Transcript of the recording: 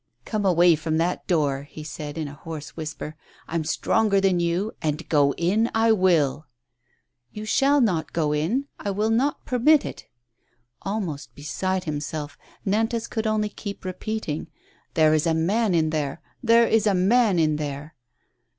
"Come away from that door,'^ he said, in a hoarse whisper. "I'm stronger than you, and go in I will!" "You shall not go in ; I will not permit it." Almost beside himself, Nantas could only keep re peating : "There is a man there, there is a man there!"